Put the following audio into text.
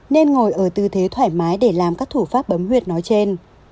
nên ngồi ở tư thế thoải mái để làm các thủ pháp bấm huyệt nói trên